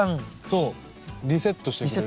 そうリセットしてくれる。